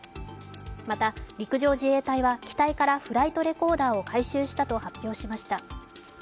また、陸上自衛隊は機体からフライトレコーダーを回収したと発表しました。